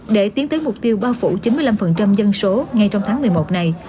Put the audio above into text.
để tiến tới mục tiêu bao phủ chín mươi năm dân số ngay trong tháng một mươi một này